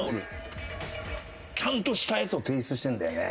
ちゃんとしたやつを提出してるんだよね。